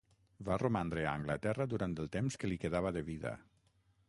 Va romandre a Anglaterra durant el temps que li quedava de vida.